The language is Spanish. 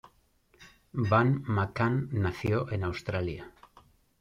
Van McCann nació en Australia.